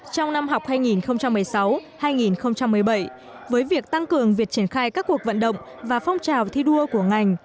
trong năm học hai nghìn một mươi sáu hai nghìn một mươi bảy với việc tăng cường việc triển khai các cuộc vận động và phong trào thi đua của ngành